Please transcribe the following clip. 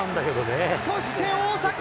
そして、大迫。